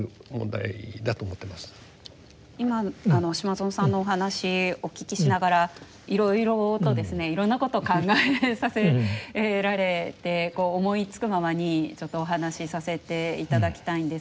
今島薗さんのお話お聞きしながらいろいろといろんなことを考えさせられて思いつくままにちょっとお話させていただきたいんですけれども。